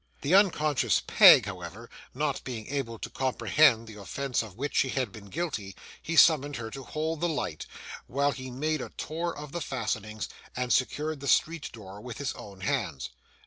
The unconscious Peg, however, not being able to comprehend the offence of which she had been guilty, he summoned her to hold the light, while he made a tour of the fastenings, and secured the street door with his own hands.